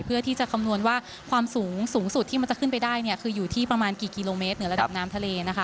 เพื่อที่จะคำนวณว่าความสูงสุดที่มันจะขึ้นไปได้คืออยู่ที่ประมาณกี่กิโลเมตรเหนือระดับน้ำทะเล